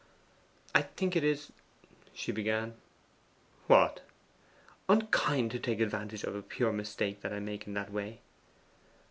'I think it is ' she began. 'What?' 'Unkind to take advantage of a pure mistake I make in that way.